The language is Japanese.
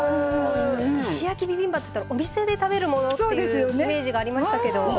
石焼きビビンバっつったらお店で食べるものっていうイメージがありましたけど。